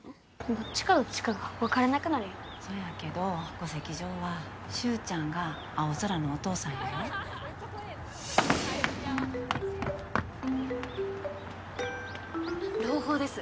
どっちがどっちかが分からなくなるよそやけど戸籍上は脩ちゃんが青空のお父さんやよ朗報です